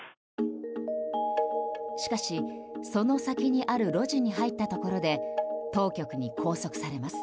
しかし、その先にある路地に入ったところで当局に拘束されます。